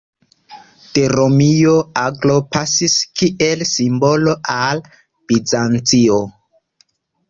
De Romio aglo pasis kiel simbolo al Bizancio.